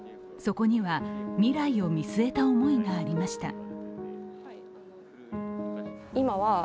そこには未来を見据えた思いがありました。